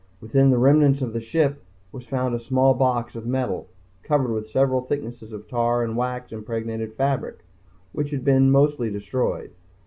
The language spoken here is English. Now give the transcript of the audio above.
Within the remnants of the ship was found a small box of metal covered with several thicknesses of tar and wax impregnated fabric which had been mostly destroyed.